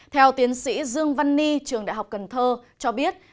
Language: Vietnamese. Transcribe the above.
theo tiến sĩ dương văn ni trường đại học cần thơ cho biết